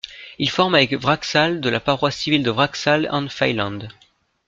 Il forme avec Wraxall de la paroisse civile de Wraxall and Failand.